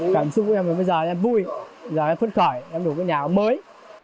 cảm xúc của em bây giờ em vui bây giờ em phất khỏi em đủ cái nhà ấm mới